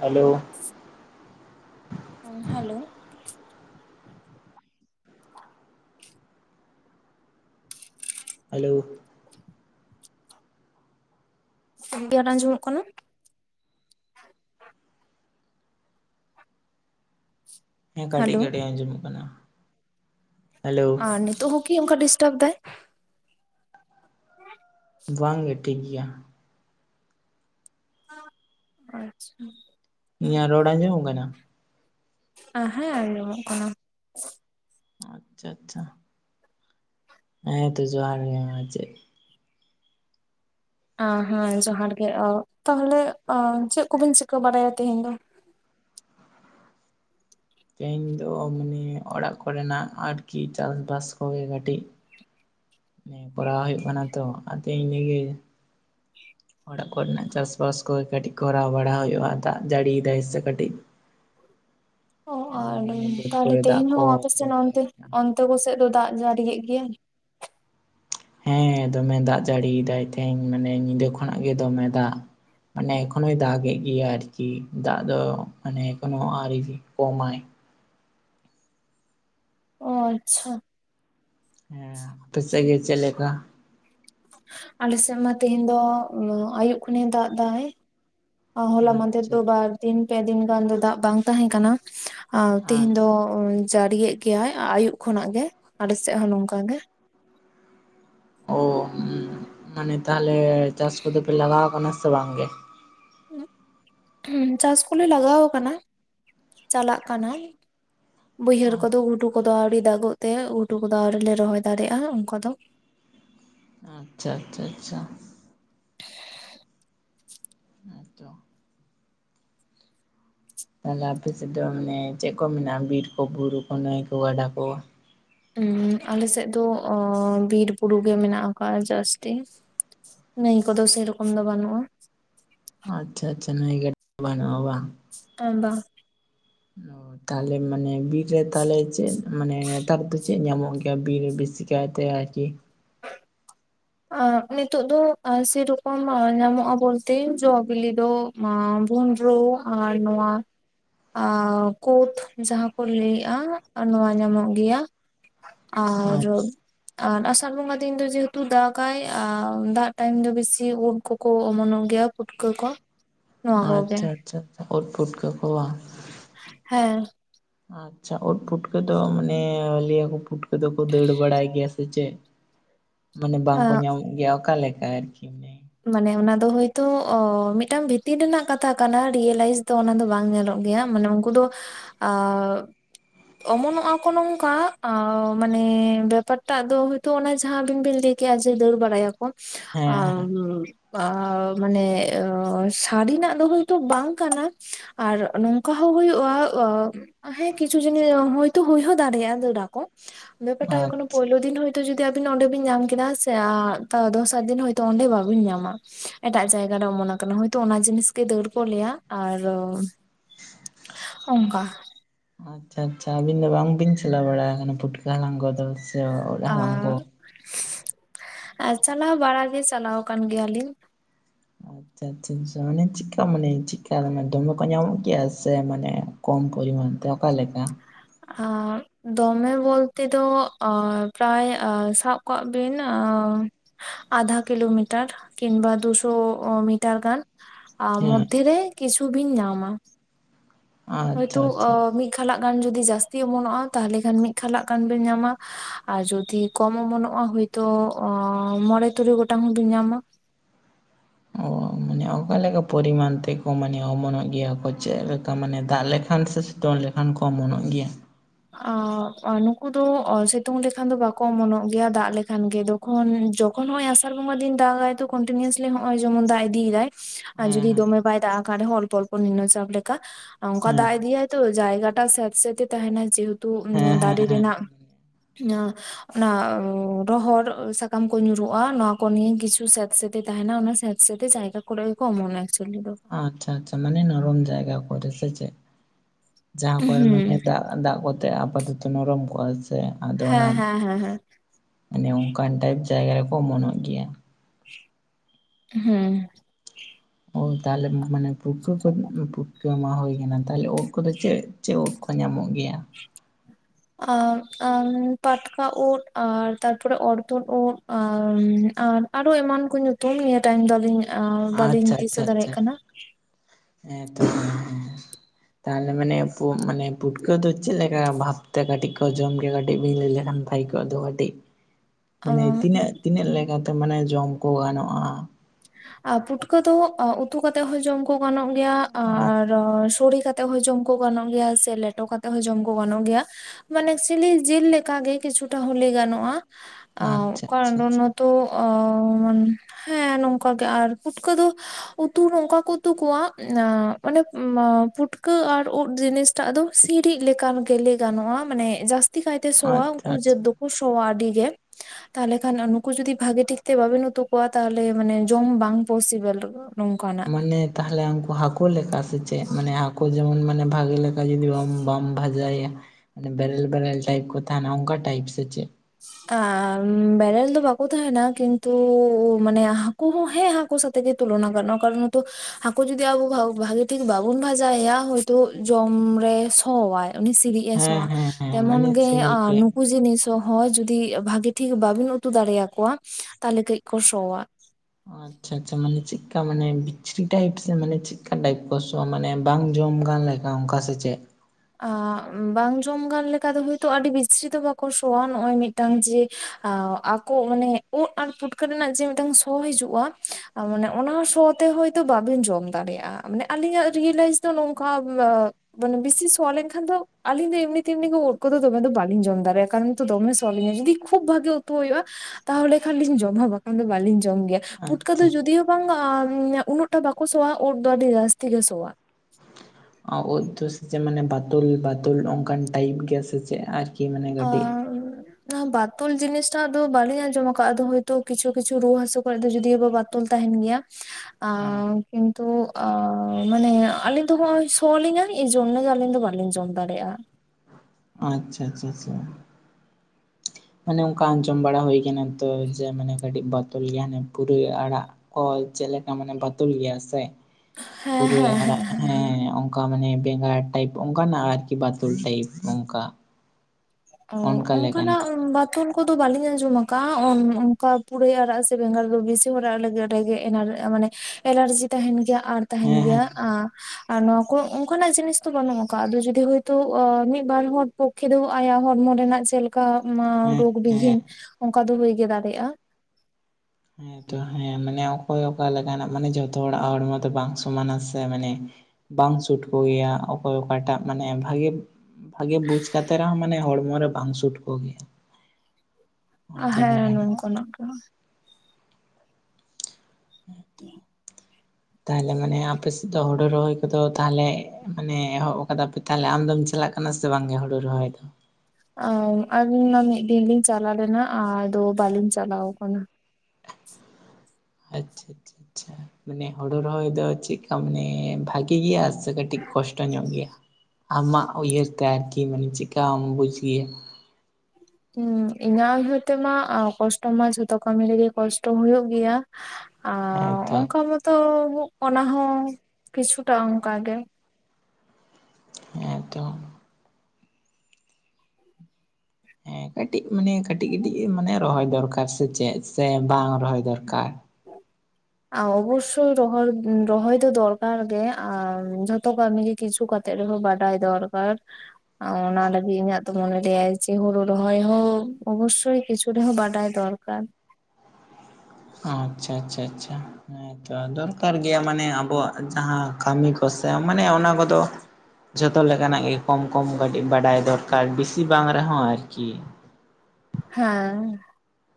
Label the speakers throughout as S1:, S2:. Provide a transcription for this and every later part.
S1: Hello
S2: ᱦᱮ hello
S1: hello
S2: ᱟᱸᱡᱚᱢᱚᱜ ᱠᱟᱱᱟ?
S1: ᱦᱮᱸ ᱠᱟᱹᱴᱤᱡ
S2: ᱦᱮᱞᱳ
S1: ᱠᱟᱹᱴᱤᱡ ᱟᱸᱡᱚᱢᱚᱜ ᱠᱟᱱᱟ᱾ ᱦᱮᱞᱳ
S2: ᱟᱨ ᱱᱤᱛᱚᱜ ᱦᱚᱸᱠᱤ ᱚᱱᱠᱟ ᱰᱤᱥᱴᱟᱵᱽ ᱫᱟᱭ?
S1: ᱵᱟᱝᱜᱮ ᱴᱷᱤᱠ ᱜᱮᱭᱟ ᱾
S2: ᱟᱪᱪᱷᱟ
S1: ᱤᱧᱟᱜ ᱨᱚᱲ ᱟᱡᱚᱢᱚᱜ ᱠᱟᱱᱟ?
S2: ᱦᱮᱸ ᱟᱡᱚᱢᱚᱜ ᱠᱟᱱᱟ ᱾
S1: ᱟᱪᱪᱷᱟ ᱟᱪᱪᱷᱟ ᱦᱮᱸ ᱛᱚ ᱡᱚᱦᱟᱨ ᱜᱮ ᱢᱟ ᱪᱮᱜ
S2: ᱟ ᱦᱟ ᱡᱚᱦᱟᱨ ᱜᱮ ᱛᱟᱦᱚᱞᱮ ᱚ ᱪᱮᱫ ᱠᱚᱵᱮᱱ ᱪᱤᱠᱟᱹ ᱵᱟᱲᱟᱭᱟ ᱛᱮᱦᱮᱧ ᱫᱚ?
S1: ᱛᱮᱦᱮᱧ ᱫᱚ ᱢᱟᱱᱮ ᱚᱲᱟᱜ ᱠᱚᱨᱮᱱᱟᱜ ᱟᱨᱠᱤ ᱪᱟᱥᱵᱟᱥ ᱠᱚᱜᱮ ᱠᱟᱹᱴᱤᱡ ᱯᱟᱲᱦᱟᱣ ᱦᱩᱭᱩᱜ ᱠᱟᱱᱟ ᱛᱚ ᱟᱫᱚ ᱤᱱᱟᱹᱜᱮ ᱚᱲᱟᱜ ᱠᱚᱨᱮᱱᱟᱜ ᱪᱟᱥᱵᱟᱥ ᱠᱚ ᱠᱟᱹᱴᱤᱡ ᱠᱚᱨᱟᱣ ᱵᱟᱲᱟ ᱦᱩᱭᱩᱜᱼᱟ ᱫᱟᱜ ᱡᱟᱹᱲᱤᱭ ᱫᱟᱭ ᱥᱮ ᱠᱟᱹᱴᱤᱡ
S2: ᱚ ᱟ ᱟᱰᱤ
S1: ᱢᱟᱱᱮ ᱵᱟᱹᱫᱽ
S2: ᱛᱟᱦᱚᱞᱮ
S1: ᱠᱚᱨᱮ ᱫᱟᱜ
S2: ᱛᱮᱦᱮᱧ
S1: ᱠᱚ
S2: ᱦᱚᱸ ᱟᱯᱮ ᱥᱮᱱ
S1: ᱛᱚᱸᱵᱟ
S2: ᱚᱱᱛᱮ
S1: ᱟᱠᱟᱱᱟ
S2: ᱚᱱᱛᱮ ᱠᱚᱥᱮᱫ ᱫᱚ ᱫᱟᱜ ᱡᱟᱹᱲᱤᱭᱮᱫ ᱜᱮᱭᱟ?
S1: ᱦᱮᱸ ᱫᱚᱢᱮ ᱫᱟᱜ ᱡᱟᱹᱲᱤᱭᱮᱫᱟᱭ ᱛᱮᱦᱤᱧ ᱢᱟᱱᱮ ᱧᱤᱫᱟᱹ ᱠᱷᱚᱱᱟᱜ ᱜᱮ ᱫᱚᱢᱮ ᱫᱟᱜ ᱾ ᱢᱟᱱᱮ ᱮᱠᱷᱚᱱᱚᱭ ᱫᱟᱜ ᱮᱫ ᱜᱮᱭᱟ ᱟᱨᱠᱤ ᱫᱟᱜ ᱫᱚ ᱢᱟᱱᱮ ᱮᱠᱷᱚᱱᱳ ᱟᱨᱤ ᱠᱚᱢᱟᱭ
S2: ᱚ ᱟᱪᱪᱷᱟ
S1: ᱦᱮ ᱟᱯᱮ ᱥᱮᱜ ᱜᱮ ᱪᱮᱫᱞᱮᱠᱟ?
S2: ᱟᱞᱮᱥᱮᱫ ᱢᱟ ᱛᱮᱦᱮᱧ ᱫᱚ ᱟᱭᱩᱵ ᱠᱷᱚᱱᱮ ᱫᱟᱜ ᱮᱫᱟ ᱾ ᱟ ᱦᱚᱞᱟ ᱢᱟᱫᱷᱮᱨ
S1: ᱟᱪᱪᱷᱟ
S2: ᱫᱚ ᱵᱟᱝ ᱫᱤᱱ ᱯᱮ ᱫᱤᱱ ᱜᱟᱱ ᱫᱚ ᱫᱟᱜ ᱵᱟᱝ ᱛᱟᱦᱮᱸ ᱠᱟᱱᱟ ᱾ ᱟᱨ ᱛᱮᱦᱮᱧ ᱫᱚ ᱡᱟᱹᱲᱤᱭᱮᱫ ᱜᱮᱭᱟᱭ ᱟᱭᱩᱵ ᱠᱷᱚᱱᱟᱜ ᱜᱮ ᱟᱞᱮ ᱥᱮᱫ ᱦᱚᱸ ᱱᱚᱝᱠᱟ ᱜᱮ ᱾
S1: ᱚᱸ ᱢᱟᱱᱮ ᱛᱟᱦᱚᱞᱮ ᱪᱟᱥ ᱠᱚᱫᱚ ᱯᱮ ᱞᱟᱜᱟᱣ ᱟᱠᱟᱱᱟ ᱥᱮ ᱵᱟᱝ ᱜᱮ?
S2: ᱪᱟᱥ ᱠᱚᱞᱮ ᱞᱟᱜᱟᱣ ᱟᱠᱟᱱᱟ ᱪᱟᱞᱟᱜ ᱠᱟᱱᱟ ᱾ ᱵᱟᱹᱭᱦᱟᱹᱲ ᱠᱚᱫᱚ ᱩᱞᱴᱩ ᱠᱚᱫᱚ ᱟᱹᱣᱨᱤ ᱫᱟᱜᱚᱜ ᱛᱮ ᱩᱞᱴᱩ ᱠᱚᱫᱚ ᱟᱹᱣᱨᱤ ᱞᱮ ᱨᱚᱦᱚᱭ ᱫᱟᱲᱮᱭᱟᱜᱼᱟ ᱚᱱᱠᱟ ᱫᱚ
S1: ᱟᱪᱪᱷᱟ ᱟᱪᱪᱷᱟ ᱟᱪᱪᱷᱟ ᱦᱮᱸᱛᱚ ᱛᱟᱦᱚᱞᱮ ᱟᱯᱮ ᱥᱮᱫ ᱫᱚ ᱢᱟᱱᱮ ᱪᱮᱫ ᱠᱚ ᱢᱮᱱᱟᱜᱼᱟ ᱵᱤᱨ ᱠᱚ ᱵᱩᱨᱩ ᱠᱚ ᱱᱟᱹᱭ ᱠᱚ ᱜᱟᱰᱟ ᱠᱚ?
S2: ᱟᱞᱮ ᱥᱮᱫ ᱫᱚ ᱵᱤᱨ ᱵᱩᱨᱩ ᱜᱮ ᱢᱮᱱᱟᱜ ᱟᱠᱟᱜᱼᱟ ᱡᱟᱹᱥᱛᱤ ᱾ ᱱᱟᱹᱭ ᱠᱚᱫᱚ ᱥᱮᱨᱚᱠᱚᱢ ᱫᱚ ᱵᱟᱹᱱᱩᱜᱼᱟ ᱾
S1: ᱟᱪᱪᱷᱟ ᱟᱪᱪᱷᱟ ᱱᱟᱹᱭ ᱜᱮ ᱵᱟᱱᱩᱜᱼᱟ ᱵᱟᱝ
S2: ᱵᱟᱝ
S1: [unintelligible] ᱛᱟᱦᱚᱞᱮ ᱢᱟᱱᱮ ᱵᱤᱨ ᱨᱮ ᱛᱟᱦᱚᱞᱮ ᱪᱮᱫ ᱢᱟᱱᱮ ᱱᱮᱛᱟᱨ ᱫᱚ ᱪᱮᱫ ᱧᱟᱢᱚᱜ ᱜᱮᱭᱟ ᱵᱤᱨ ᱨᱮ ᱵᱮᱥᱤ ᱠᱟᱭᱛᱮ ᱟᱨᱠᱤ?
S2: ᱱᱤᱛᱚᱜ ᱫᱚ ᱥᱮᱨᱚᱠᱚᱢ ᱧᱟᱢᱚᱜᱼᱟ ᱵᱚᱞ ᱛᱮ ᱡᱚ ᱵᱤᱞᱤ ᱫᱚ ᱟᱨ ᱱᱚᱣᱟ ᱟᱨ ᱠᱩᱫᱷ ᱡᱟᱦᱟᱸ ᱠᱚ ᱞᱟᱹᱭᱮᱫᱼᱟ ᱱᱚᱣᱟ ᱧᱟᱢᱚᱜ ᱜᱮᱭᱟ ᱾ ᱟᱨ ᱟᱥᱟᱲ ᱵᱚᱸᱜᱟ ᱫᱤᱱ ᱫᱚ ᱡᱮᱦᱮᱛᱩ ᱫᱟᱜ ᱫᱟᱜ ᱴᱟᱭᱤᱢ ᱫᱚ ᱵᱮᱥᱤ ᱩᱫ ᱠᱚᱠᱚ ᱚᱢᱚᱱᱚᱜ ᱜᱮᱭᱟ ᱯᱩᱴᱠᱟᱹ ᱠᱚ ᱱᱚᱣᱟ ᱠᱚᱜᱮ
S1: ᱟᱪᱪᱷᱟ ᱟᱪᱪᱷᱟ ᱟᱪᱪᱷᱟ ᱩᱫ ᱯᱩᱴᱠᱟᱹ ᱠᱚ ᱵᱟᱝ
S2: ᱦᱮᱸ
S1: ᱟᱪᱪᱷᱟ ᱳᱫ ᱯᱩᱴᱠᱟᱹ ᱫᱚ ᱢᱟᱱᱮ ᱞᱟᱹᱭᱟᱠᱚ ᱯᱩᱴ ᱫᱚᱠᱚ ᱫᱟᱹᱲ ᱵᱟᱲᱟᱭ ᱜᱮᱭᱟ ᱥᱮ ᱪᱮᱫ ᱢᱟᱱᱮ ᱵᱟᱝ ᱠᱚ ᱧᱟᱢᱚᱜ ᱜᱮᱭᱟ ᱚᱠᱟ ᱞᱮᱠᱟ ᱟᱨᱠᱤ ᱦᱮᱸ
S2: ᱢᱟᱱᱮ ᱚᱱᱟ ᱫᱚ ᱦᱳᱭᱛᱚ ᱢᱤᱫᱴᱟᱝ ᱵᱷᱤᱛᱤᱨ ᱨᱮᱱᱟᱜ ᱠᱟᱛᱷᱟ ᱠᱟᱱᱟ ᱨᱤᱭᱮᱞᱟᱭᱤᱥ ᱫᱚ ᱚᱱᱟ ᱫᱚ ᱵᱟᱝ ᱧᱮᱞᱚᱜ ᱜᱮᱭᱟ ᱢᱟᱱᱮ ᱠᱩ ᱫᱚ ᱟᱻ ᱚᱢᱚᱱᱚᱜ-ᱟ ᱠᱚ ᱱᱚᱝᱠᱟ ᱢᱟᱱᱮ ᱵᱮᱯᱟᱨ ᱴᱟᱜ ᱫᱚ ᱦᱳᱭᱛᱳ ᱚᱱᱟ ᱡᱟᱦᱟᱸ ᱟᱵᱤᱱ ᱵᱤᱱ ᱞᱟᱹᱭ ᱠᱮᱭᱟ ᱡᱮ ᱫᱟᱹᱲ ᱵᱟᱲᱟᱭᱟᱠᱚ ᱟᱨ ᱟᱻ ᱢᱟᱱᱮ ᱥᱟᱹᱨᱤᱱᱟᱜ ᱫᱚ ᱦᱳᱭᱛᱚ ᱵᱟᱝ ᱠᱟᱱᱟ ᱟᱨ ᱱᱚᱝᱠᱟ ᱦᱚᱸ ᱦᱳᱭᱳᱜ-ᱟ ᱦᱮᱸ ᱠᱤᱪᱷᱩ ᱡᱤᱱᱤᱥ ᱦᱳᱭᱛᱳ ᱦᱩᱭ ᱦᱚᱸ ᱫᱟᱲᱮᱭᱟᱜ-ᱟ ᱫᱟᱹᱲ ᱟᱠᱚ ᱵᱮᱯᱟᱨᱴᱟᱜ ᱦᱩᱭᱩᱜ ᱠᱟᱱᱟ
S1: ᱟᱪᱪᱷᱟ
S2: ᱯᱳᱭᱞᱳ ᱫᱤᱱ ᱦᱳᱭᱛᱳ ᱡᱚᱫᱤ ᱟᱵᱤᱱ ᱚᱰᱮ ᱵᱤᱱ ᱧᱟᱢ ᱠᱮᱫᱟ ᱥᱮ ᱟᱨ ᱫᱚᱥᱟᱨ ᱫᱤᱱ ᱦᱚᱭᱛᱳ ᱚᱸᱰᱮ ᱵᱟᱹᱧ ᱧᱟᱢᱟ ᱮᱴᱟᱜ ᱡᱟᱭᱜᱟ ᱨᱮ ᱚᱢᱚᱱ ᱟᱠᱟᱱᱟ ᱦᱚᱭᱛᱚ ᱚᱱᱟ ᱡᱤᱱᱤᱥ ᱜᱮ ᱫᱟᱹᱲ ᱠᱚ ᱞᱟᱹᱭᱟ ᱟᱨ ᱚᱝᱠᱟ
S1: ᱟᱪᱪᱷᱟ ᱟᱪᱪᱷᱟ ᱟᱹᱵᱤᱱ ᱫᱚ ᱵᱟᱝ ᱵᱤᱱ ᱪᱟᱞᱟᱣ ᱵᱟᱲᱟ ᱟᱠᱟᱱᱟ ᱯᱩᱴᱠᱟᱹ ᱦᱟᱞᱟᱝ ᱠᱚᱫᱚ ᱥᱮ ᱦᱟᱞᱟᱝ ᱠᱚ?
S2: ᱟᱨ ᱪᱟᱞᱟᱣ ᱵᱟᱲᱟ ᱜᱮ ᱪᱟᱞᱟᱣ ᱟᱠᱟᱱ ᱜᱮᱭᱟᱞᱤᱧ
S1: ᱟᱪᱪᱷᱟ ᱟᱪᱪᱷᱟ ᱟᱪᱪᱷᱟ ᱚᱱᱮ ᱪᱤᱠᱟ ᱢᱟᱱᱮ ᱪᱤᱠᱟ ᱫᱚᱢᱮ ᱠᱚ ᱧᱟᱢᱚᱜ ᱜᱮᱭᱟ ᱥᱮ ᱢᱟᱱᱮ ᱠᱚᱢ ᱯᱚᱨᱤᱢᱟᱱ ᱛᱮ ᱚᱠᱟ ᱞᱮᱠᱟ
S2: ᱟᱨ ᱫᱚᱢᱮ ᱵᱚᱞᱛᱮ ᱫᱚ ᱯᱨᱟᱭ ᱥᱟᱵ ᱠᱟᱜ ᱵᱤᱱ ᱟᱫᱷᱟ ᱠᱤᱞᱳ ᱢᱤᱴᱟᱨ ᱠᱤᱢᱵᱟ ᱫᱩᱥᱚ ᱢᱤᱴᱟᱨ ᱜᱟᱱ ᱟᱨ ᱢᱚᱫᱽᱫᱷᱮᱨᱮ ᱠᱤᱪᱷᱩ ᱵᱤᱱ ᱧᱟᱢᱟ ᱦᱳᱭᱛᱳ ᱢᱤᱫ ᱠᱷᱟᱞᱟᱜ ᱜᱟᱱ ᱡᱚᱫᱤ ᱡᱟᱹᱥᱛᱤ ᱚᱢᱚᱱᱚᱜ-ᱟ ᱛᱟᱦᱚᱞᱮ ᱠᱷᱟᱱ ᱢᱤᱫ ᱠᱷᱟᱞᱟᱜ ᱜᱟᱱ ᱵᱮᱱ ᱧᱟᱢᱟ ᱟᱨ ᱡᱚᱫᱤ ᱠᱚᱢ ᱚᱢᱚᱱᱚᱜ-ᱟ ᱦᱳᱭᱛᱳ ᱢᱚᱬᱮ ᱛᱩᱨᱩᱭ ᱜᱚᱴᱟᱝ ᱦᱚᱸ ᱵᱤᱱ ᱧᱟᱢᱟ
S1: ᱚᱸ ᱢᱟᱱᱮ ᱚᱠᱟ ᱞᱮᱠᱟ ᱯᱚᱨᱤᱢᱟᱱ ᱛᱮᱠᱚ ᱢᱟᱱᱮ ᱚᱢᱚᱱᱚᱜ ᱜᱮᱭᱟ ᱠᱚ ᱪᱮᱫ ᱞᱮᱠᱟ ᱢᱟᱱᱮ ᱫᱟᱜ ᱞᱮᱠᱷᱟᱱ ᱥᱮ ᱥᱤᱛᱩᱝ ᱞᱮᱠᱷᱟᱱ ᱠᱚ ᱚᱢᱚᱱᱚᱜ ᱜᱮᱭᱟ
S2: ᱟᱻ ᱱᱩᱠᱩ ᱫᱚ ᱥᱤᱛᱩᱝ ᱞᱮᱠᱷᱟᱱ ᱫᱚ ᱵᱟᱠᱚ ᱚᱢᱚᱱᱚᱜ ᱜᱮᱭᱟ ᱫᱟᱜ ᱞᱮᱠᱷᱟᱱ ᱜᱮ ᱫᱚ ᱠᱷᱚᱱ ᱡᱚᱠᱷᱚᱱ ᱱᱚᱜ-ᱚᱭ ᱟᱥᱟᱲ ᱵᱚᱸᱜᱟ ᱫᱤᱱ ᱫᱟᱜᱟᱭ ᱛᱚ ᱠᱚᱱᱴᱤᱱᱤᱭᱟᱥᱞᱤ ᱱᱚᱜ-ᱚᱭ ᱡᱮᱢᱚᱱ ᱫᱟᱜ ᱤᱫᱤᱭᱮᱫᱟᱭ ᱾ ᱟᱨ ᱡᱩᱫᱤ ᱫᱚᱢᱮ ᱵᱟᱭ ᱫᱟᱜ ᱟᱠᱟᱛ ᱨᱮᱦᱚᱸ ᱚᱞᱯᱚ ᱚᱞᱯᱚ ᱱᱤᱢᱱᱚ ᱪᱟᱯ ᱞᱮᱠᱟ ᱚᱱᱠᱟ ᱫᱟᱜ ᱤᱫᱤᱭᱟᱭ ᱛᱚ ᱡᱟᱭᱜᱟᱴᱟᱜ ᱥᱮᱸᱛ ᱥᱮᱸᱛᱮ ᱛᱟᱦᱮᱱᱟ ᱡᱮᱦᱮ ᱛᱩ ᱫᱟᱨᱮ ᱨᱮᱱᱟᱜ ᱚᱱᱟ ᱨᱚᱦᱚᱲ ᱥᱟᱠᱟᱢ ᱠᱚ ᱧᱩᱨᱩᱜ-ᱟ ᱱᱚᱶᱟ ᱠᱚ ᱱᱤᱭᱮ ᱠᱤᱪᱷᱩ ᱥᱮᱸᱛ ᱥᱮᱸᱛᱮ ᱛᱟᱦᱮᱸᱱᱟ ᱚᱱᱟ ᱥᱮᱛᱮ ᱡᱟᱭᱜᱟ ᱠᱚᱨᱮ ᱜᱮᱠᱚ ᱚᱢᱚᱱᱚᱜ-ᱟ ᱮᱠᱪᱩᱭᱮᱞᱤ ᱫᱚ ᱾
S1: ᱟᱪᱪᱷᱟ ᱟᱪᱪᱷᱟ ᱢᱟᱱᱮ ᱱᱚᱨᱚᱢ ᱡᱟᱭᱜᱟ ᱠᱚᱨᱮ ᱥᱮ ᱪᱮᱛ? ᱡᱟᱦᱟᱸ ᱠᱚᱨᱮ ᱢᱟᱱᱮ
S2: ᱦᱩᱸ
S1: ᱮᱴᱟᱜ ᱫᱟᱜ ᱠᱚᱛᱮ ᱟᱯᱟᱛᱚᱛᱚ ᱱᱚᱨᱚᱢ ᱠᱚᱜ-ᱟ ᱥᱮ ᱟᱫᱚ ᱚᱱᱟ
S2: ᱦᱮᱸ ᱦᱮᱸ ᱦᱮᱸ ᱦᱮᱸ
S1: ᱢᱟᱱᱮ ᱚᱱᱠᱟᱱ ᱴᱟᱭᱤᱯ ᱡᱟᱭᱜᱟ ᱨᱮᱠᱚ ᱚᱢᱚᱱᱚᱜ ᱜᱮᱭᱟ ᱾
S2: ᱦᱩᱸ
S1: ᱦᱳᱭ ᱛᱟᱦᱚᱞᱮ ᱢᱟᱱᱮ ᱯᱩᱴᱠᱟᱹ ᱠᱚ ᱯᱩᱴ ᱯᱩᱴᱠᱟᱹ ᱢᱟ ᱦᱩᱭ ᱠᱟᱱᱟ ᱛᱟᱦᱚᱞᱮ ᱳᱫ ᱠᱚᱫᱚ ᱪᱮᱫ ᱪᱮᱫ ᱳᱫ ᱠᱚ ᱧᱟᱢᱚᱜ ᱜᱮᱭᱟ
S2: ᱯᱟᱴᱠᱟ ᱳᱫ ᱟᱨ ᱛᱟᱨᱯᱚᱨᱮ ᱚᱨᱛᱳᱫ ᱳᱫ ᱟᱨ ᱟᱨᱚ ᱮᱢᱟᱱ ᱠᱚ ᱧᱩᱛᱩᱢ ᱱᱤᱭᱟᱹ ᱴᱟᱭᱤᱢ ᱫᱚ ᱟᱞᱤᱧ ᱵᱟᱹᱞᱤᱧ
S1: ᱟᱪᱪᱷᱟ
S2: ᱫᱤᱥᱟᱹ
S1: ᱟᱪᱪᱷᱟ ᱟᱪᱪᱷᱟ
S2: ᱫᱟᱲᱮᱭᱟᱜ ᱠᱟᱱᱟ ᱾
S1: ᱦᱮᱸ ᱛᱚ ᱦᱮᱸ ᱦᱮᱸ ᱾ ᱛᱟᱦᱚᱞᱮ ᱢᱟᱱᱮ ᱢᱟᱱᱮ ᱯᱩᱴᱠᱟᱹ ᱫᱚ ᱪᱮᱫ ᱞᱮᱠᱟ ᱵᱷᱟᱵᱽᱛᱮ ᱠᱟᱹᱴᱤᱡ ᱠᱚ ᱡᱚᱢ ᱜᱮᱭᱟ? ᱠᱟᱹᱴᱤᱡ ᱵᱤᱱ ᱞᱟᱹᱭ ᱞᱮᱠᱷᱟᱱ ᱫᱚ ᱦᱟᱭ ᱠᱚᱜ ᱫᱚ ᱠᱟᱹᱴᱤᱡ ᱢᱟᱱᱮ ᱛᱤᱱᱟᱹᱜ ᱛᱤᱱᱟᱹᱜ ᱞᱮᱠᱟᱛᱮ ᱢᱟᱱᱮ ᱡᱚᱢ ᱠᱚ ᱜᱟᱱᱚᱜᱼᱟ?
S2: ᱟᱨ ᱯᱩᱴᱠᱟᱹ ᱫᱚ ᱩᱛᱩ ᱠᱟᱛᱮᱫ ᱦᱚᱸ ᱡᱚᱢ ᱠᱚ ᱜᱟᱱᱚᱜ ᱜᱮᱭᱟ ᱟᱨ ᱥᱳᱲᱮ ᱠᱟᱛᱮᱫ ᱦᱚᱸ ᱡᱚᱢ ᱠᱚ ᱜᱟᱱᱚᱜ ᱜᱮᱭᱟ ᱥᱮ ᱞᱮᱴᱚ ᱠᱟᱛᱮᱜ ᱦᱚᱸ ᱡᱚᱢ ᱠᱚ ᱜᱟᱱᱚᱜ ᱜᱮᱭᱟ ᱾ ᱢᱟᱱᱮ ᱪᱤᱞᱤ ᱡᱤᱞ ᱞᱮᱠᱟᱜᱮ ᱠᱤᱪᱷᱩᱴᱟ ᱦᱚᱸ ᱞᱟᱹᱭ ᱜᱟᱱᱚᱜ-ᱟ ᱾
S1: ᱟᱪᱪᱷᱟ ᱟᱪᱪᱷᱟ ᱟᱪᱪᱷᱟ
S2: [unintelligible] ᱛᱚ ᱦᱮᱸ ᱱᱚᱝᱠᱟᱜᱮ ᱟᱨ ᱯᱩᱴᱠᱟᱹ ᱫᱚ ᱩᱛᱩ ᱱᱚᱝᱠᱟ ᱠᱚ ᱩᱛᱩ ᱠᱚᱣᱟ ᱢᱟᱱᱮ ᱯᱩᱴᱠᱟᱹ ᱟᱨ ᱳᱫ ᱡᱤᱱᱤᱥ ᱮᱴᱟᱜ ᱫᱚ ᱥᱤᱸᱲᱤᱡ ᱞᱮᱠᱟᱱ ᱜᱮ ᱞᱟᱹᱭ ᱜᱟᱱᱚᱜ-ᱟ ᱢᱟᱱᱮ ᱡᱟᱹᱥᱛᱤ ᱠᱟᱭᱛᱮ ᱥᱚᱣᱟ
S1: ᱟᱪᱪᱷᱟ
S2: ᱩᱱᱠᱩ ᱡᱟᱹᱛ
S1: ᱟᱪᱪᱷᱟ
S2: ᱫᱚ ᱾ ᱥᱚᱣᱟ ᱟᱹᱰᱤ ᱜᱮ ᱛᱟᱦᱚᱞᱮ ᱠᱷᱟᱱ ᱱᱩᱠᱩ ᱡᱩᱫᱤ ᱵᱷᱟᱜᱮ ᱴᱷᱤᱠ ᱛᱮ ᱵᱟᱵᱮᱱ ᱩᱛᱩ ᱠᱚᱣᱟ ᱛᱟᱦᱚᱞᱮ ᱢᱟᱱᱮ ᱡᱚᱢ ᱵᱟᱝ ᱯᱚᱥᱤᱵᱮᱞᱚᱜ-ᱟ ᱾
S1: ᱢᱟᱱᱮ ᱛᱟᱦᱚᱞᱮ ᱩᱱᱠᱳ ᱦᱟᱹᱠᱳ ᱞᱮᱠᱟ ᱥᱮ ᱪᱮᱫ? ᱢᱟᱱᱮ ᱦᱠᱳ ᱡᱮᱢᱚᱱ ᱢᱟᱱᱮ ᱵᱷᱟᱜᱮ ᱞᱮᱠᱟ ᱡᱩᱫᱤ ᱵᱟᱢ ᱵᱟᱢ ᱵᱷᱟᱡᱷᱟᱭ ᱭᱟ ᱚᱱᱮ ᱵᱮᱨᱮᱞ ᱵᱮᱨᱮᱞ ᱴᱟᱭᱤᱯ ᱠᱚ ᱛᱟᱦᱮᱸᱱᱟ ᱚᱱᱠᱟ ᱴᱟᱭᱤᱯ ᱥᱮ ᱪᱮᱫ?
S2: ᱟᱨ ᱵᱮᱨᱮᱞ ᱫᱚ ᱵᱟᱠᱚ ᱛᱟᱦᱮᱸᱱᱟ ᱠᱤᱱᱛᱩ ᱢᱟᱱᱮ ᱩᱱᱠᱩ ᱦᱚᱸ ᱦᱮᱸ ᱦᱟᱹᱠᱩ ᱥᱟᱛᱮ ᱜᱮ ᱛᱩᱞᱚᱱᱟ ᱜᱟᱱᱚᱜᱼᱟ, ᱠᱟᱨᱚᱱ ᱦᱟᱹᱠᱩ ᱡᱩᱫᱤ ᱟᱵᱚ ᱵᱷᱟᱹᱜᱤ ᱴᱷᱤᱠ ᱵᱟᱵᱚᱱ ᱵᱷᱟᱡᱟᱭ ᱭᱟ ᱛᱚ ᱡᱚᱢ ᱨᱮ ᱥᱚᱣᱟᱭ ᱩᱱᱤ ᱥᱤᱨᱤᱡᱽ ᱮ
S1: ᱦᱮᱸ
S2: ᱥᱚᱣᱟ
S1: ᱦᱮᱸ ᱦᱮᱸ
S2: ᱛᱮᱢᱚᱱ
S1: ᱢᱟᱱᱮ
S2: ᱜᱮ
S1: ᱥᱤᱲᱤᱡ
S2: ᱱᱩᱠᱩ ᱡᱤᱱᱤᱥ ᱛᱚ ᱦᱚᱭ ᱡᱩᱫᱤ ᱵᱷᱟᱜᱮ ᱴᱷᱤᱠ ᱵᱟᱵᱤᱱ ᱩᱛᱩ ᱫᱟᱲᱮᱭᱟᱠᱚᱣᱟ ᱛᱟᱦᱞᱮ ᱠᱟᱹᱡ ᱠᱚ ᱥᱚᱣᱟ ᱾
S1: ᱚ ᱟᱪᱪᱷᱟ ᱾ ᱟᱪᱪᱷᱟ ᱢᱟᱱᱮ ᱪᱮᱫᱠᱟ ᱢᱟᱱᱮ ᱵᱤᱪᱨᱤ ᱴᱟᱭᱤᱯ ᱥᱮ ᱢᱟᱱᱮ ᱪᱮᱫᱠᱟ ᱴᱟᱭᱤᱯ ᱠᱚ ᱥᱚᱣᱟ ᱢᱟᱱᱮ ᱵᱟᱝ ᱡᱚᱢ ᱜᱟᱱ ᱞᱮᱠᱟ? ᱚᱱᱠᱟ ᱥᱮ ᱪᱮᱫ?
S2: ᱵᱟᱝ ᱡᱚᱢ ᱜᱟᱱ ᱞᱮᱠᱟ ᱫᱚ ᱦᱳᱭᱛᱳ ᱟᱹᱰᱤ ᱵᱤᱪᱷᱨᱤ ᱫᱚ ᱵᱟᱠᱚ ᱥᱚᱣᱟ ᱱᱚᱜ ᱚᱭ ᱢᱤᱫ ᱢᱤᱫᱴᱟᱝ ᱡᱮ ᱟᱠᱚ ᱚᱱᱮ ᱳᱫ ᱟᱨ ᱯᱩᱴᱠᱟᱹ ᱨᱮᱱᱟᱜ ᱡᱮ ᱢᱤᱫᱴᱟᱝ ᱥᱚ ᱦᱤᱡᱩᱜᱼᱟ ᱢᱟᱱᱮ ᱚᱱᱟ ᱥᱚ ᱛᱮ ᱦᱳᱭᱛᱳ ᱵᱟᱵᱤᱱ ᱡᱚᱢ ᱫᱟᱲᱮᱭᱟᱜᱼᱟ। ᱢᱟᱱᱮ ᱟᱹᱞᱤᱧᱟᱜ ᱨᱤᱭᱮᱞᱟᱭᱤᱡ ᱫᱚ ᱱᱚᱝᱠᱟ ᱢᱟᱱᱮ ᱵᱤᱥᱤᱥ ᱥᱚ ᱞᱮᱱᱠᱷᱟᱱ ᱫᱚ ᱟᱹᱞᱤᱧ ᱫᱚ ᱮᱢᱱᱤ ᱛᱮᱢᱱᱤ ᱜᱮ ᱳᱫ ᱠᱚᱫᱚ ᱫᱚᱢᱮ ᱫᱚ ᱵᱟᱹᱞᱤᱧ ᱡᱚᱢ ᱫᱟᱲᱮᱭᱟᱜᱼᱟ ᱠᱟᱨᱚᱱ ᱫᱚ ᱫᱚᱢᱮ ᱥᱚ ᱧᱤᱧᱟ ᱡᱩᱫᱤ ᱠᱷᱩᱵ ᱵᱷᱟᱹᱜᱮ ᱩᱛᱩ ᱦᱩᱭᱩᱜᱼᱟ ᱛᱟᱦᱞᱮ ᱠᱷᱟᱱ ᱞᱤᱧ ᱡᱚᱢᱟ ᱵᱟᱠᱷᱟᱱ ᱫᱚ ᱵᱟᱞᱤᱧ ᱡᱚᱢ ᱜᱮᱭᱟ ᱯᱩᱴᱠᱟᱹ
S1: ᱟᱪᱪᱷᱟ
S2: ᱫᱚ ᱡᱩᱫᱤᱭᱳ ᱵᱟᱝ ᱩᱱᱟᱹᱜᱴᱟ ᱵᱟᱠᱚ ᱥᱚᱣᱟ ᱳᱫ ᱫᱚ ᱟᱹᱰᱤ ᱡᱟᱹᱥᱛᱤ ᱜᱮ ᱥᱚᱣᱟ ᱾
S1: ᱚ ᱳᱫᱽ ᱫᱚ ᱥᱮᱪᱮ ᱢᱟᱱᱮ ᱵᱟᱛᱚᱞ ᱵᱟᱛᱚᱞ ᱚᱱᱠᱟᱱ ᱴᱟᱭᱤᱯ ᱜᱮᱭᱟ ᱥᱮᱪᱮ? ᱟᱨᱠᱤ ᱢᱟᱱᱮ ᱠᱟᱹᱴᱤᱡ
S2: ᱟᱨ ᱚᱱᱟ ᱵᱟᱛᱚᱞ ᱡᱤᱱᱤᱥᱴᱟᱜ ᱫᱚ ᱵᱟᱞᱤᱧ ᱟᱸᱡᱚᱢ ᱟᱠᱟᱫᱼᱟ ᱟᱫᱳ ᱦᱳᱭᱛᱳ ᱠᱤᱪᱷᱩ ᱠᱤᱪᱷᱩ ᱨᱩᱭᱟᱹ ᱦᱟᱹᱥᱩ ᱠᱚᱨᱮ ᱫᱚ ᱡᱩᱫᱤᱣ ᱵᱟ ᱵᱟᱛᱚᱞ ᱛᱟᱦᱮᱸᱱ ᱜᱮᱭᱟ ᱾
S1: [inaudible]
S2: [unintelligible] ᱠᱤᱱᱛᱩ ᱢᱟᱱᱮ ᱟᱹᱞᱤᱧ ᱫᱚ ᱦᱚᱜᱚᱭ ᱥᱚ ᱞᱤᱧᱟ ᱮ ᱡᱳᱱᱱᱳ ᱜᱮ ᱟᱹᱞᱤᱧ ᱫᱚ ᱵᱟᱞᱤᱧ ᱡᱚᱢ ᱫᱟᱲᱮᱭᱟᱜᱼᱟ ᱾
S1: ᱟᱪᱪᱷᱟ ᱟᱪᱪᱷᱟ ᱻᱪᱷᱟ ᱻᱪᱷᱟ ᱾ ᱢᱟᱱᱮ ᱚᱱᱠᱟ ᱟᱸᱡᱚᱢ ᱵᱟᱲᱟ ᱦᱩᱭ ᱠᱟᱱᱟ ᱛᱚ ᱡᱮ ᱢᱟᱱᱮ ᱠᱟᱹᱴᱤᱡ ᱵᱟᱛᱚᱞ ᱜᱮᱭᱟ ᱯᱩᱨᱟᱹᱭ ᱟᱲᱟᱜ ᱠᱚ ᱪᱮᱫ ᱞᱮᱠᱟ ᱢᱟᱱᱮ ᱵᱟᱛᱚᱞ ᱜᱮᱭᱟ ᱥᱮ ᱯᱩᱨᱟᱹᱭ ᱟᱲᱟᱜ ᱦᱮᱸ ᱚᱱᱠᱟ ᱢᱟᱱᱮ ᱵᱮᱸᱜᱟᱲ ᱴᱟᱭᱤᱯ ᱚᱱᱠᱟᱱᱟᱜ ᱟᱨᱠᱤ ᱵᱟᱛᱚᱞ ᱴᱟᱭᱤᱯ ᱚᱱᱠᱟ᱾
S2: ᱚ
S1: ᱚᱱᱠᱟ ᱞᱮᱠᱟᱱᱟᱜ
S2: ᱚᱱᱠᱟᱱᱟᱜ ᱵᱟ ᱛᱳᱞ ᱠᱚᱫᱚ ᱵᱟᱹᱞᱤᱧ ᱟᱸᱡᱚᱢ ᱟᱠᱟᱫ-ᱟ, ᱚᱱᱠᱟ ᱯᱩᱨᱟᱹᱭ ᱟᱲᱟᱜ ᱥᱮ ᱵᱮᱸᱜᱟᱲᱫᱚ ᱵᱮᱥᱤ ᱦᱚᱲᱟᱜ ᱞᱟᱹᱜᱤᱫ ᱨᱮᱜᱮ ᱮᱱᱟᱨ ᱢᱟᱱᱮ ᱮᱞᱟᱨᱡᱤ ᱛᱟᱦᱮᱱ ᱜᱮᱭᱟ ᱟᱨ ᱛᱟᱦᱮᱱ
S1: ᱦᱮᱸ
S2: ᱜᱮᱭᱟ᱾
S1: ᱦᱮᱸ
S2: ᱟ ᱱᱚᱣᱟ ᱠᱚ ᱚᱱᱠᱟᱱᱟᱜ ᱡᱤᱱᱤᱥ ᱫᱚ ᱵᱟᱹᱱᱩᱜ ᱟᱠᱟᱫᱟ ᱟᱫᱚ ᱡᱚᱫᱤ ᱦᱚᱭᱛᱳ ᱢᱤᱫ ᱵᱟᱨ ᱦᱚᱲ ᱯᱚᱠᱠᱷᱮ ᱫᱚ ᱟ ᱦᱚᱲᱢᱚ ᱨᱮᱱᱟᱜ ᱪᱮᱫ ᱞᱮᱠᱟ
S1: ᱦᱮᱸ
S2: ᱨᱳᱜᱽ ᱵᱤᱜᱷᱤᱱ
S1: ᱦᱮᱸ
S2: ᱚᱱᱠᱟ ᱫᱚ ᱦᱩᱭᱜᱮ ᱫᱟᱲᱮᱭᱟᱜ-ᱟ᱾
S1: ᱦᱮᱸ ᱛᱚ ᱦᱮᱸ ᱢᱟᱱᱮ ᱚᱠᱚᱭ ᱚᱠᱟ ᱞᱮᱠᱟᱱᱟᱜ ᱢᱟᱱᱮ ᱡᱚᱛᱚ ᱦᱚᱲᱟᱜ ᱦᱚᱲᱢᱚ ᱫᱚ ᱵᱟᱝ ᱥᱚᱢᱟᱱᱟᱥᱮ ᱢᱟᱱᱮ᱾ ᱵᱟᱝ ᱥᱩᱴ ᱠᱚᱜᱮᱭᱟ ᱚᱠᱚᱭ ᱚᱠᱟᱴᱟᱜ ᱢᱟᱱᱮ ᱵᱷᱟᱜᱮ ᱵᱷᱟᱜᱮ ᱵᱩᱡᱽ ᱠᱟᱛᱮ ᱨᱮᱦᱚᱸ ᱢᱟᱱᱮ ᱦᱚᱲᱢᱚ ᱨᱮ ᱵᱟᱝ ᱥᱩᱴ ᱠᱚᱜᱮᱭᱟ᱾
S2: ᱟ
S1: ᱚᱱᱠᱟ
S2: ᱦᱮᱸ
S1: ᱞᱮᱠᱟᱱᱟᱜ
S2: ᱱᱚᱝᱠᱟᱱᱟᱜ ᱠᱟᱱᱟ ᱾
S1: ᱦᱮᱸ ᱛᱚ ᱛᱟᱦᱞᱮ ᱢᱟᱱᱮ ᱟᱯᱮᱥᱮᱫ ᱫᱚ ᱦᱳᱲᱳ ᱨᱚᱦᱚᱭ ᱠᱚᱫᱚ ᱛᱟᱦᱞᱮ ᱢᱟᱱᱮ ᱮᱦᱚᱵ ᱠᱟᱫᱟ ᱯᱮ? ᱛᱟᱦᱚᱞᱮ ᱟᱢᱫᱚᱢ ᱪᱟᱞᱟᱜ ᱠᱟᱱᱟ ᱥᱮ ᱵᱟᱝᱜᱮ ᱦᱩᱲᱩ ᱨᱚᱦᱚᱭ ᱫᱚ?
S2: ᱟᱹᱞᱤᱧ ᱢᱟ ᱢᱤᱫ ᱫᱤᱱ ᱞᱤᱧ ᱪᱟᱞᱟᱣ ᱞᱮᱱᱟ ᱟᱫᱚ ᱵᱟᱹᱞᱤᱧ ᱪᱟᱞᱟᱣ ᱟᱠᱟᱱᱟ᱾
S1: ᱟᱪᱪᱷᱟ ᱟᱪᱪᱷᱟ ᱟᱪᱪᱷᱟ ᱢᱟᱱᱮ ᱦᱩᱲᱩ ᱨᱚᱦᱚᱭ ᱫᱚ ᱪᱮᱫ ᱞᱮᱠᱟ ᱢᱟᱱᱮ ᱵᱷᱟᱹᱜᱤ ᱜᱮᱭᱟ ᱥᱮ ᱠᱟᱹᱴᱤᱡ ᱠᱚᱥᱴᱚ ᱧᱚᱜ ᱜᱮᱭᱟ? ᱟᱢᱟᱜ ᱩᱭᱦᱟᱹᱨ ᱛᱮ ᱟᱨᱠᱤ ᱢᱟᱱᱮ ᱪᱮᱠᱟᱢ ᱵᱩᱡᱽ ᱜᱮᱭᱟ
S2: ᱦᱩ ᱤᱧᱟᱹᱜ ᱦᱚᱭᱛᱟ ᱢᱟ ᱠᱚᱥᱴᱚ ᱢᱟ ᱡᱷᱚᱛᱚ ᱠᱟᱹᱢᱤ ᱨᱮᱜᱮ ᱠᱚᱥᱴᱚ ᱦᱩᱭᱩᱜ ᱜᱮᱭᱟ᱾ [unintelligible]
S1: ᱦᱮᱸ ᱛᱚ᱾
S2: ᱚᱱᱠᱟ ᱢᱚᱛᱚ ᱚᱱᱟ ᱦᱚᱸ ᱠᱤᱪᱷᱩᱴᱟ ᱚᱱᱠᱟ ᱜᱮ᱾
S1: ᱦᱮᱸ ᱛᱚ ᱦᱮᱸ ᱠᱟᱹᱴᱤᱡ ᱢᱟᱱᱮ ᱠᱟᱹᱴᱤᱡ ᱠᱟᱹᱴᱤᱡ ᱢᱟᱱᱮ ᱨᱚᱦᱚᱭ ᱫᱚᱨᱠᱟᱨ ᱥᱮ ᱪᱮᱫ, ᱥᱮ ᱵᱟᱝ ᱨᱚᱦᱚᱭ ᱫᱚᱨᱠᱟᱨ? [inaudible]
S2: ᱚᱵᱚᱥᱚᱭ ᱨᱚᱦᱚᱲ ᱨᱚᱦᱚᱭ ᱫᱚ ᱫᱚᱨᱠᱟᱨ ᱜᱮ ᱟᱨ ᱡᱚᱛᱚ ᱠᱟᱹᱢᱤ ᱜᱮ ᱠᱤᱪᱷᱩ ᱠᱟᱛ ᱛᱮᱜ ᱨᱮᱦᱚᱸ ᱵᱟᱰᱟᱭ ᱫᱚᱨᱠᱟᱨ ᱚᱱᱟ ᱞᱟᱹᱜᱤᱫ ᱤᱧᱟᱹᱜ ᱫᱚ ᱢᱚᱱᱮ ᱞᱟᱹᱭᱟ ᱡᱮ ᱦᱩᱲᱚ ᱨᱚᱦᱚᱭ ᱦᱚᱸ ᱚᱵᱚᱥᱳᱭ ᱠᱤᱪᱷᱩ ᱨᱮᱦᱚᱸ ᱵᱟᱰᱟᱭ ᱫᱚᱨᱠᱟᱨ
S1: ᱟᱸᱪᱪᱷᱟ ᱟᱪᱪᱷᱟ ᱟᱪᱪᱷᱟ ᱦᱮᱸᱛᱚ ᱫᱚᱨᱠᱟᱨ ᱜᱮᱭᱟ ᱢᱟᱱᱮ ᱟᱵᱚᱣᱟᱜ ᱡᱟᱦᱟᱸ ᱠᱟᱹᱢᱤ ᱠᱚᱥᱮᱜ ᱢᱟᱱᱮ ᱚᱱᱟ ᱠᱚᱫᱚ ᱡᱷᱚᱛᱚ ᱞᱮᱠᱟᱱᱟᱜ ᱜᱮ ᱠᱚᱢ ᱠᱚᱢ ᱠᱟᱹᱴᱤᱡ ᱵᱟᱰᱟᱭ ᱫᱚᱨᱠᱟᱨ ᱵᱤᱥᱤ ᱵᱟᱝ ᱨᱮᱦᱚᱸ ᱟᱨᱠᱤ
S2: ᱦᱮᱸ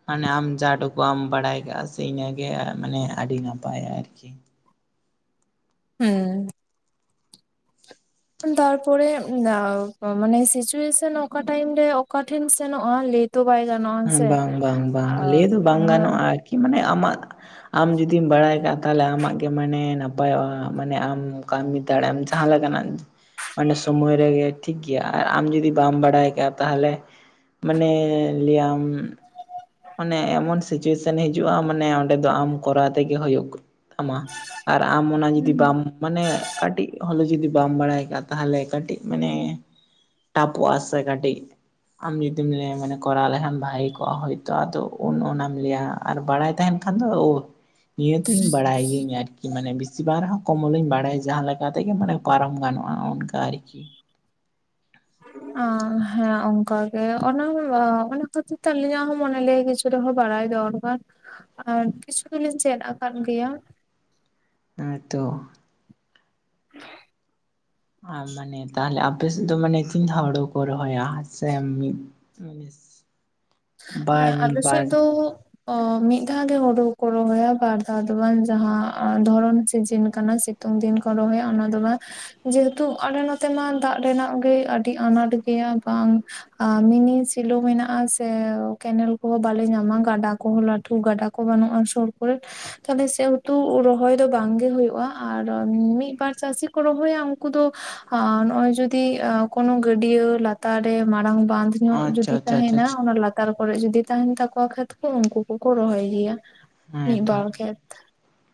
S1: ᱢᱟᱱᱮ ᱟᱢ ᱡᱟᱴᱩᱠᱩᱢ ᱵᱟᱲᱟᱭ ᱠᱟᱜ-ᱟ ᱥᱮ ᱤᱱᱟᱹᱜᱮ ᱢᱟᱱᱮ ᱟᱹᱰᱤ ᱱᱟᱯᱟᱭᱟ ᱟᱨᱠᱤ
S2: ᱦᱮᱸ ᱛᱟᱨᱯᱚᱨᱮ ᱢᱟᱱᱮ ᱥᱤᱪᱩᱭᱮᱥᱟ. ᱱ ᱚᱠᱟ ᱴᱟᱭᱤᱢ ᱨᱮ ᱚᱠᱟᱴᱷᱮᱱ ᱥᱮᱱᱚᱜ-ᱟ ᱞᱮᱴ ᱛᱚ ᱵᱟᱭ ᱜᱟᱱᱚᱜ-ᱟ
S1: ᱮ ᱵᱟᱝ ᱵᱟᱝ ᱵᱟᱝ ᱞᱟᱹᱭ ᱫᱚ ᱵᱟᱝ
S2: ᱦᱳᱭ
S1: ᱜᱟᱱᱚᱜ-ᱟ ᱟᱨᱠᱤ ᱢᱟᱱᱮ ᱟᱢᱟᱜ ᱟᱢ ᱡᱩᱫᱤᱢ ᱵᱟᱲᱟ ᱟᱠᱟᱜ ᱛᱟᱦᱚᱞᱮ ᱟᱢᱟᱜ ᱜᱮ ᱢᱟᱱᱮ ᱱᱟᱯᱟᱭᱚᱜ-ᱟ ᱢᱟᱱᱮ ᱟᱢ ᱠᱟᱹᱢᱤ ᱫᱟᱲᱮ ᱟᱢ ᱡᱟᱦᱟᱸ ᱞᱮᱠᱟᱱᱟᱜ ᱠ.... ᱢᱟᱱᱮ ᱥᱚᱢᱚᱭ ᱨᱮᱜᱮ ᱴᱷᱤᱠ ᱜᱮᱭᱟ ᱟᱨ ᱟᱢ ᱡᱩᱫᱤ ᱵᱟᱢ ᱵᱟᱲᱟᱭ ᱟᱠᱟᱜ-ᱟ ᱛᱟᱦᱚᱞᱮ ᱢᱟᱱᱮ ᱞᱟᱹᱭᱟᱢ ᱢᱟᱱᱮ ᱮᱢᱚᱱ ᱥᱤᱪᱩᱭᱮᱥᱟᱱ ᱦᱤᱡᱩᱜ-ᱟ ᱢᱟᱱᱮ ᱚᱸᱰᱮ ᱫᱚ ᱟᱢ ᱠᱚᱨᱟᱣ ᱛᱮᱜᱮ ᱦᱩᱭᱩᱜ ᱛᱟᱢᱟ ᱟᱨ ᱟᱢ ᱚᱱᱟ ᱡᱩᱫᱤ ᱵᱟᱢ
S2: ᱦᱩᱸ
S1: ᱢᱟᱱᱮ ᱠᱟᱹᱴᱤᱡ ᱦᱚᱞᱮ ᱡᱩᱫᱤ ᱵᱟᱢ ᱵᱟᱲᱟᱭ ᱠᱟᱜ-ᱟ ᱛᱟᱦᱚᱞᱮ ᱠᱟᱹᱴᱤᱡ ᱢᱟᱱᱮ ᱴᱟᱣᱜ ᱠᱚᱜ-ᱟ ᱥᱮ ᱠᱟᱹᱴᱤᱡ ᱟᱢ ᱡᱩᱫᱤᱢ ᱢᱟᱱᱮ ᱠᱚᱨᱟᱣ ᱞᱮᱠᱷᱟᱱ ᱵᱷᱟᱜᱮ ᱠᱚᱣᱟᱜ ᱦᱚᱭ... ᱛᱟ ᱟᱫᱚ ᱩᱱ ᱚᱱᱟᱢ ᱞᱟᱹᱭᱟ ᱟᱨ ᱵᱟᱲᱟᱭ ᱛᱟᱦᱮᱱ ᱠᱷᱟᱱ ᱫᱚ ᱱᱤᱭᱟᱹ ᱫᱚᱧ ᱵᱟᱲᱟᱭ ᱜᱤᱭᱟᱹᱧ ᱟᱨᱠᱤ ᱠᱤ ᱢᱟᱱᱮ ᱵᱮᱥᱤ ᱵᱟᱝ ᱨᱮᱦᱚ ᱠᱚᱢᱚᱞ ᱤᱧ ᱵᱟᱲᱟᱭᱟ ᱡᱟᱦᱟᱸ ᱞᱮᱠᱟ ᱛᱮᱜᱮ ᱢᱟᱱᱮ ᱯᱟᱨᱚᱢ ᱜᱟᱱᱚᱜ-ᱟ ᱚᱱᱠᱟ ᱟᱨᱠᱤ
S2: ᱟᱸ ᱦᱮᱸ ᱚᱱᱠᱟ ᱜᱮ ᱚᱱᱟ ᱚᱱᱟ ᱠᱷᱟᱹᱛᱤᱨ ᱛᱮ ᱟᱹᱞᱤᱧᱟᱜ ᱦᱚᱸ ᱢᱚᱱᱮ ᱞᱟᱹᱭᱟ ᱠᱤᱪ ᱨᱮᱦᱚᱸ ᱵᱟᱲᱟᱭ ᱫᱚ ᱵᱟᱱᱩᱜ-ᱟ ᱟᱨ ᱠᱤᱪᱷᱩ ᱫᱩᱞᱤᱧ ᱪᱮᱫ ᱟᱠᱟᱫ ᱜᱮᱭᱟ
S1: ᱦᱮᱸ ᱛᱚ
S2: [inaudible]
S1: ᱟᱨ ᱢᱟᱱᱮ ᱛᱟᱦᱚᱞᱮ ᱟᱢ ᱟᱯᱮ ᱥᱮᱫ ᱫᱚ ᱢᱟᱱᱮ ᱛᱤᱱ ᱫᱷᱟᱣ ᱦᱚᱲᱚ ᱠᱚ ᱨᱚᱦᱚᱭᱟ ᱥᱮ ᱢᱤᱫ ᱢᱟᱱᱮ
S2: ᱦᱮᱸ
S1: ᱵᱟᱨ
S2: ᱟᱞᱮ
S1: ᱵᱟᱨ
S2: ᱥᱮᱫ ᱫᱚ ᱚᱸᱻ ᱢᱤᱫ ᱫᱷᱟᱣ ᱜᱮ ᱦᱩᱲᱩ ᱫᱚ ᱠᱚ ᱨᱚᱦᱚᱭᱟ ᱵᱟᱨ ᱫᱷᱟᱣ ᱫᱚ ᱵᱟᱝ ᱡᱟᱦᱟᱸ ᱫᱷᱚᱨᱚᱱ ᱥᱤᱡᱤᱱ ᱠᱟᱱᱟ ᱥᱤᱛᱩᱝ ᱫᱤᱱ ᱠᱚ ᱨᱚᱦᱚᱭᱟ ᱚᱱᱟ ᱫᱚ ᱵᱟᱝ ᱡᱮ ᱦᱮᱛᱩ ᱟᱞᱮ ᱱᱚᱛᱮ ᱢᱟ ᱫᱟᱜ ᱨᱮᱱᱟᱜ ᱜᱮ ᱟᱹᱰᱤ ᱟᱱᱟᱴ ᱜᱮᱭᱟ ᱵᱟᱝ ᱟ ᱢᱤᱱᱤ ᱥᱮᱞᱳ ᱢᱮᱱᱟᱜᱼᱟ ᱥᱮ ᱠᱮᱱᱮᱞ ᱠᱚ ᱦᱚᱸ ᱵᱟᱞᱮ ᱧᱟᱢᱟ ᱜᱟᱰᱟ ᱠᱚ ᱦᱚᱸ ᱞᱟᱹᱴᱩ ᱜᱟᱰᱟ ᱠᱚ ᱵᱟᱹᱱᱩᱜᱼᱟ ᱥᱩᱨ ᱠᱚᱨᱮ ᱛᱟᱦᱞᱮ ᱥᱮ ᱩᱛᱩ ᱨᱚᱦᱚᱭ ᱫᱚ ᱵᱟᱝᱜᱮ ᱦᱩᱭᱩᱜ-ᱟ ᱟᱨ ᱢᱤᱫᱵᱟᱨ ᱪᱟᱹᱥᱤ ᱠᱚ ᱨᱚᱦᱚᱭᱟ ᱩᱱᱠᱩ ᱫᱚ ᱟ... ᱱᱚᱜ-ᱚᱭ ᱡᱩᱫᱤ ᱠᱳᱱᱚ ᱜᱟᱹᱰᱤᱭᱟᱹ ᱞᱟᱛᱟᱨ ᱨᱮ ᱢᱟᱨᱟᱝ ᱵᱟᱸᱫᱷ ᱧᱚᱜ ᱡᱩᱫᱤ
S1: ᱟᱪᱪᱷᱟ ᱟᱪᱪᱷᱟ ᱟᱪᱪᱷᱟ
S2: ᱛᱟᱦᱮᱱᱟ
S1: ᱟᱪᱪᱷᱟ
S2: ᱚᱱᱟ ᱞᱟᱛᱟᱨ ᱠᱚᱨᱮ ᱡᱩᱫᱤ ᱛᱟᱦᱮᱱ ᱛᱟᱠᱚᱣᱟ ᱠᱷᱮᱛ ᱠᱚ ᱩᱱᱠᱩ ᱠᱚ ᱠᱚ ᱨᱚᱦᱚᱭ ᱜᱮᱭᱟ ᱢᱤᱫ
S1: ᱦᱮᱸᱛᱚ
S2: ᱵᱟᱨ ᱠᱷᱮᱛ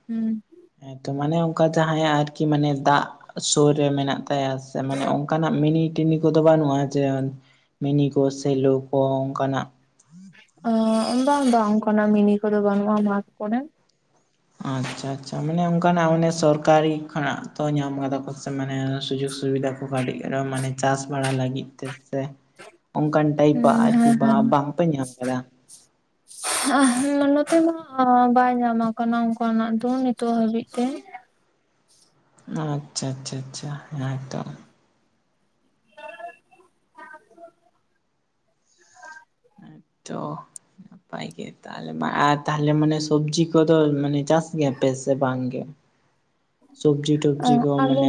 S2: ᱦᱩᱸ
S1: ᱦᱮᱸ ᱛᱚ ᱢᱟᱱᱮ ᱚᱱᱠᱟ ᱡᱟᱦᱟᱸᱭᱟᱜ ᱟᱨᱠᱤ ᱢᱟᱱᱮ ᱫᱟᱜ ᱥᱩᱨ ᱨᱮ ᱢᱮᱱᱟᱜ ᱛᱟᱭᱟ ᱥᱮ ᱢᱟᱱᱮ ᱚᱱᱠᱟᱱᱟᱜ ᱢᱤᱱᱤ ᱴᱤᱱᱤ ᱠᱚ ᱫᱚ ᱵᱟᱹᱱᱩᱜᱼᱟ ᱡᱮ ᱢᱤᱱᱤ ᱠᱚ ᱥᱮᱞᱳ ᱠᱚ ᱚᱱᱠᱟᱱᱟᱜ
S2: ᱟᱺ... ᱵᱟᱝ ᱵᱟᱝ ᱚᱝᱠᱟᱱᱟᱜ ᱢᱤᱱᱤ ᱠᱚ ᱫᱚ ᱵᱟᱹᱱᱩᱜᱼᱟ ᱢᱟᱴᱷ ᱠᱚ ᱨᱮ
S1: ᱟᱪᱪᱷᱟ ᱟᱪᱪᱷᱟ ᱢᱟᱱᱮ ᱚᱱᱠᱟᱱᱟᱜ ᱢᱟᱱᱮ ᱥᱚᱨᱠᱟᱨᱤ ᱠᱷᱚᱱᱟᱜ ᱛᱚ ᱧᱟᱢ ᱟᱠᱟᱫᱟ ᱠᱚ ᱥᱮ ᱢᱟᱱᱮ ᱥᱩᱡᱳᱜᱽ ᱥᱩᱣᱤᱫᱟ ᱠᱟᱹᱴᱤᱡ ᱨᱮ ᱢᱟᱱᱮ ᱪᱟᱥ ᱵᱟᱲᱟ ᱞᱟᱹᱜᱤᱫ ᱛᱮ ᱥᱮ ᱚᱱᱠᱟᱱ
S2: ᱦᱩᱸ
S1: ᱴᱟᱭᱤᱯ-ᱟᱜ ᱟᱨ ᱠᱤ
S2: ᱦᱮᱸ
S1: ᱵᱟᱝ ᱯᱮ ᱧᱟᱢᱟ ᱟᱠᱟᱫᱟ
S2: [unintelligible] ᱱᱚᱛᱮ ᱢᱟ ᱵᱟᱭ ᱧᱟᱢ ᱟᱠᱟᱱᱟ ᱚᱱᱠᱟᱱᱟᱜ ᱫᱚ ᱱᱤᱛᱚᱜ ᱦᱟᱹᱵᱤᱡ ᱛᱮ
S1: ᱟᱪᱪᱷᱟ ᱟᱪᱪᱷᱟ ᱟᱪᱪᱷᱟ ᱦᱮᱸ ᱛᱚ
S2: [unintelligible]
S1: ᱛᱚ ᱱᱟᱯᱟᱭ ᱜᱮ ᱛᱟᱦᱚᱞᱮ ᱢᱟ ᱟᱨ ᱛᱟᱦᱚᱞᱮ ᱢᱟᱱᱮ ᱥᱚᱵᱽᱡᱤ ᱠᱚ ᱫᱚ ᱢᱟᱱᱮ ᱪᱟᱥ ᱜᱮᱭᱟᱯᱮ ᱥᱮ ᱵᱟᱝ ᱜᱮ ᱥᱚᱵᱡᱤ ᱴᱚᱵᱡᱤ ᱠᱚ
S2: ᱟᱞᱮ
S1: ᱢᱟᱱᱮ